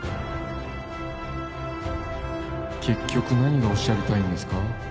結局何がおっしゃりたいんですか？